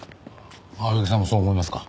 青柳さんもそう思いますか？